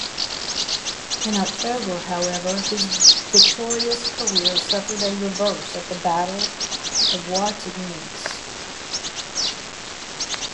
In October, however, his victorious career suffered a reverse at the Battle of Wattignies.